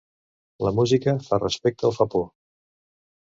La música fa respecte o fa por.